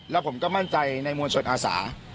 แล้วผมก็มั่นใจในมวลชนอาสา